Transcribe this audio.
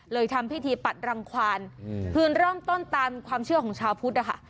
เลยทำพิธีปัดรังความอืมพื้นร่องต้นตามความเชื่อของชาวพุทธอ่ะค่ะ